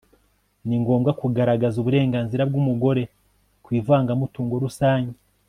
ni ngombwa kugaragaza uburenganzira bw'umugore ku ivangamutungo rusange